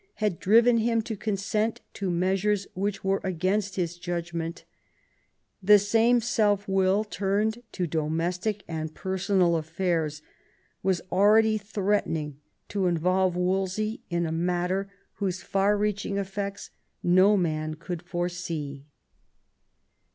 had driven him to consent to measures which were against his judgment; the same selfwill, turned to domestic and personal aflfairs, was already threatening to involve Wolsey in a matter whose far reaching effects no man could foresee.